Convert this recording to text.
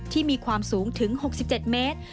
มีความสูงถึง๖๗เมตร